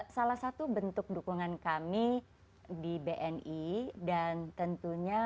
salah satu bentuk dukungan kami di bni dan tentunya